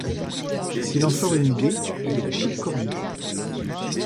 S’il en sort une idée, elle est toute cornue.